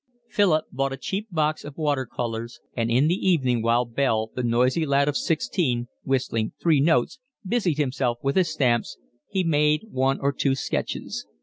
Philip bought a cheap box of water colours, and in the evening while Bell, the noisy lad of sixteen, whistling three notes, busied himself with his stamps, he made one or two sketches.